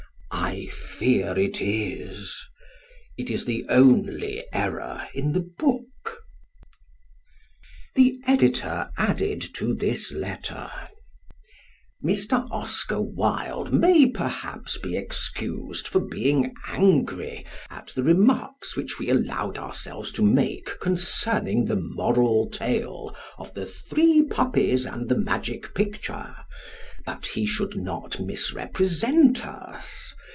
I fear it is. It is the only error in the book. The Editor added to this letter: Mr. Oscar Wilde may perhaps be excused for being angry at the remarks which we allowed ourselves to make concerning the "moral tale" of the Three Puppies and the Magic Picture; but he should not misrepresent us.